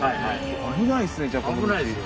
危ないですね